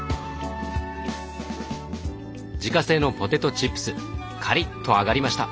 自家製のポテトチップスカリッと揚がりました。